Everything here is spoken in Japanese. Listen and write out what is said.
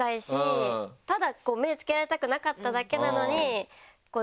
ただ目をつけられたくなかっただけなのに。